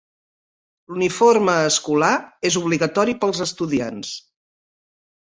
L'uniforme escolar és obligatori pels estudiants.